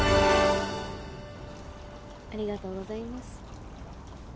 ありがとうございます。